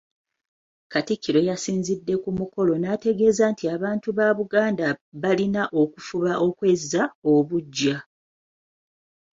Katikkiro yasinzidde ku mukolo n’ategeeza nti abantu ba Buganda balina okufuba okwezza obuggya.